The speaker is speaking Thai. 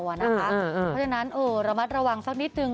เพราะฉะนั้นระมัดระวังสักนิดนึง